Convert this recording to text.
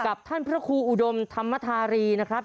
ท่านพระครูอุดมธรรมธารีนะครับ